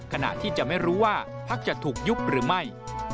ขณะที่จะไม่รู้ว่าพักจะถูกยุบหรือไม่